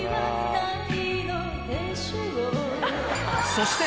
そして